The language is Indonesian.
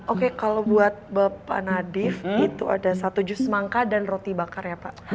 oke kalau buat bapak nadif itu ada satu jus mangka dan roti bakar ya pak